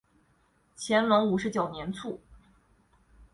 乾隆五十九年卒。